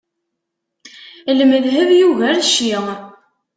Lmedheb yugar cci.